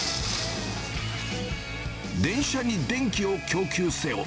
電車に電気を供給せよ！